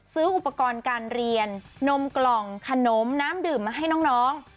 ซื้ออุปกรณ์การเรียนนมกล่องขนมน้ำดื่มมาให้น้อง